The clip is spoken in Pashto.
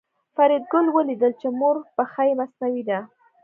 فریدګل ولیدل چې د مور پښه یې مصنوعي ده